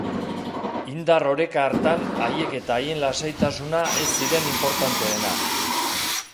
Indar oreka hartan, haiek eta haien lasaitasuna ez ziren inportanteena.